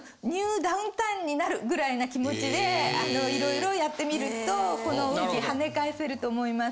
になるぐらいな気持ちでいろいろやってみるとこの運気跳ね返せると思います。